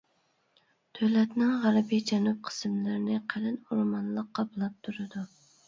دۆلەتنىڭ غەربىي جەنۇب قىسىملىرىنى قېلىن ئورمانلىق قاپلاپ تۇرىدۇ.